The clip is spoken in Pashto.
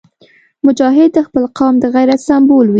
مجاهد د خپل قوم د غیرت سمبول وي.